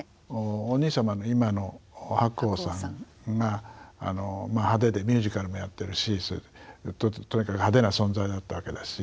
お兄様の今の白鸚さんが派手でミュージカルもやってるしとにかく派手な存在だったわけだし。